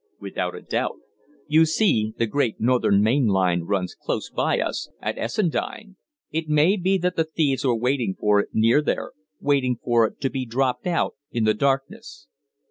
"Without a doubt. You see, the Great Northern main line runs close by us at Essendine. It may be that the thieves were waiting for it near there waiting for it to be dropped out in the darkness.